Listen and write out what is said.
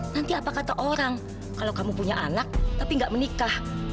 nanti apa kata orang kalau kamu punya anak tapi nggak menikah